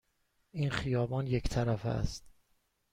این خیابان یک طرفه است.